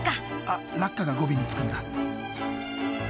あ「ラッカ」が語尾につくんだ。